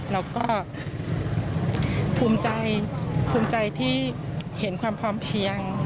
แล้วก็ภูมิใจภูมิใจที่เห็นความพร้อมเพียง